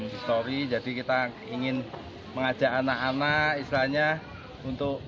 history jadi kita ingin mengajak anak anak istilahnya untuk